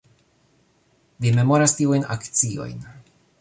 Vi memoras tiujn akciojn